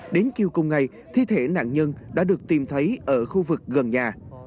đến chiều cùng ngày thi thể nạn nhân đã được tìm thấy ở khu vực gần nhà